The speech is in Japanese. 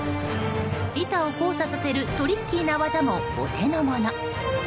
板を交差させるトリッキーな技もお手のもの。